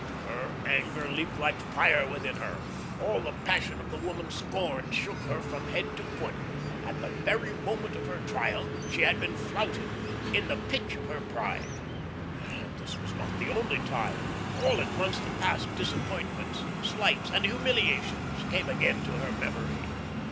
Her anger leaped like fire within her. All the passion of the woman scorned shook her from head to foot. At the very moment of her triumph she had been flouted, in the pitch of her pride! And this was not the only time. All at once the past disappointments, slights, and humiliations came again to her memory.